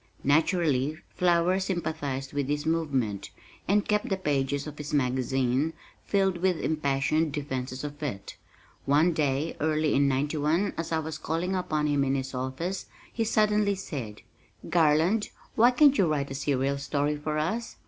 Naturally Flower sympathized with this movement, and kept the pages of his magazine filled with impassioned defenses of it. One day, early in '91, as I was calling upon him in his office, he suddenly said, "Garland, why can't you write a serial story for us?